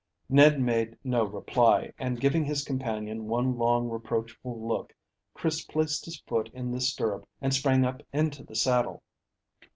Ned made no reply, and giving his companion one long reproachful look, Chris placed his foot in the stirrup and sprang up into the saddle.